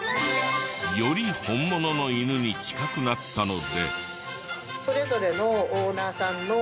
より本物の犬に近くなったので。